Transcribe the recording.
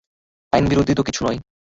আইনবিরোধী কিছু নয় তো।